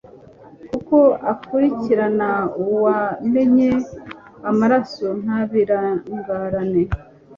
Kuko akurikirana uwamennye amaraso ntabirangarane